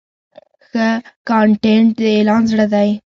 ښه کانټینټ د اعلان زړه دی.